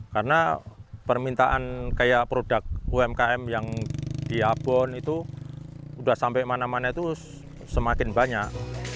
karena permintaan kayak produk umkm yang di abon itu udah sampai mana mana itu semakin banyak